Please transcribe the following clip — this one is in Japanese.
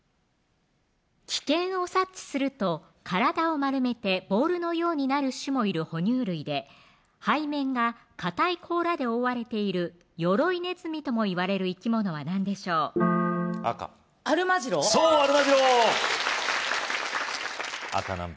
危険を察知すると体を丸めてボールのようになる種もいる哺乳類で背面がかたい甲羅で覆われているヨロイネズミともいわれる生き物は何でしょう赤アルマジロそうアルマジロ赤何番？